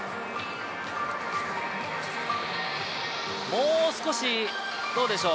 もう少しどうでしょう？